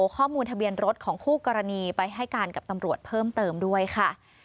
ข้อมูลทะเบียนรถของคู่กรณีไปให้การกับตำรวจเพิ่มเติมด้วยค่ะ